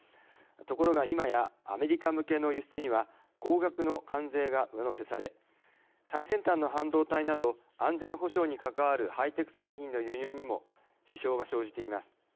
ところが今やアメリカ向けの輸出には高額の関税が上乗せされ最先端の半導体など安全保障に関わるハイテク製品の輸入にも支障が生じています。